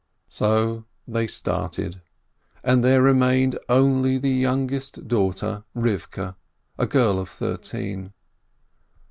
So they started, and there remained only the young est daughter, Rivkeh, a girl of thirteen.